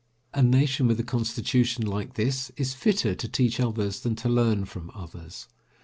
A nation with a constitution like this is fitter to teach others than to learn from others.